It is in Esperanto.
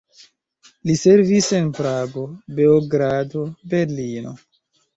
Li servis en Prago, Beogrado, Berlino.